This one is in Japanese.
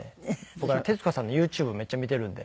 僕は徹子さんのＹｏｕＴｕｂｅめっちゃ見ているので。